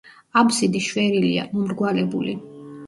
აბსიდი შვერილია, მომრგვალებული.